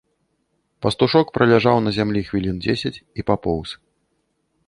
Пастушок праляжаў на зямлі хвілін дзесяць і папоўз.